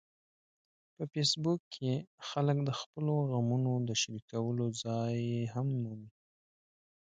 په فېسبوک کې خلک د خپلو غمونو د شریکولو ځای هم مومي